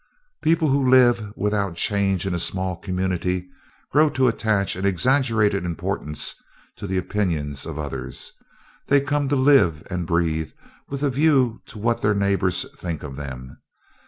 "People who live without change in a small community grow to attach an exaggerated importance to the opinions of others. They come to live and breathe with a view to what their neighbors think of them.